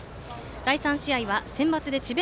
第３試合はセンバツで智弁